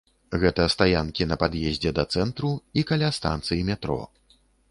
Гэта стаянкі на пад'ездзе да цэнтру і каля станцый метро.